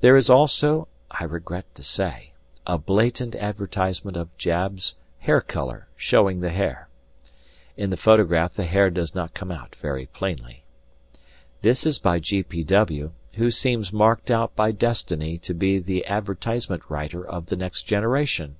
There is also, I regret to say, a blatant advertisement of Jab's "Hair Color," showing the hair. (In the photograph the hair does not come out very plainly.) This is by G. P. W., who seems marked out by destiny to be the advertisement writer of the next generation.